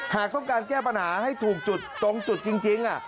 หากต้องการแก้ปัญหาให้ถูกจุดตรงจุดจริง